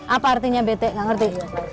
apa artinya bete gak ngerti